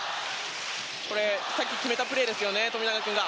これ、さっき決めたプレーですよね、富永君が。